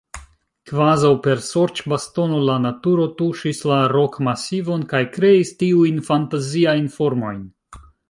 Kvazaŭ per sorĉbastono la naturo tuŝis la rokmasivon kaj kreis tiujn fantaziajn formojn.